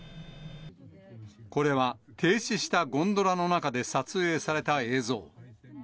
これは停止したゴンドラの中で撮影された映像。